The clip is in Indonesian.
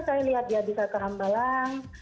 saya lihat dia bisa ke hambalang